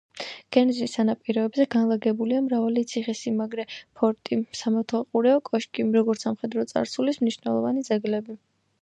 გერნზის სანაპიროებზე განლაგებულია მრავალი ციხე-სიმაგრე, ფორტი, სამეთვალყურეო კოშკი, როგორც სამხედრო წარსულის მნიშვნელოვანი ძეგლები.